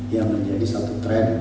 yang menjadi satu tren